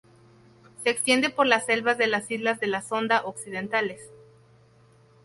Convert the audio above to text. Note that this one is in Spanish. Se extiende por las selvas de las islas de la Sonda occidentales.